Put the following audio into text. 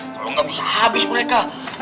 kalau nggak bisa habis mereka